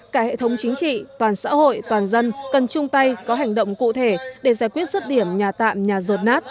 cả hệ thống chính trị toàn xã hội toàn dân cần chung tay có hành động cụ thể để giải quyết rứt điểm nhà tạm nhà rột nát